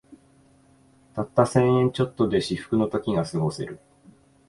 たった千円ちょっとで至福の時がすごせる